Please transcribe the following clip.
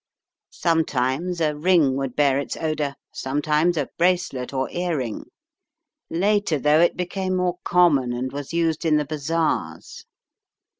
Sometimes a ring would bear its odour, sometimes a bracelet or earring. Later, though, it became more common and was used in the bazaars."